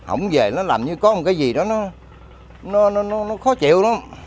hỏng về nó làm như có một cái gì đó nó khó chịu lắm